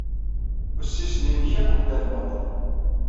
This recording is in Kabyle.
Ussisen-nnek akk ddan baṭel.